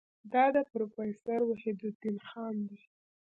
دا د پروفیسور وحیدالدین خان دی.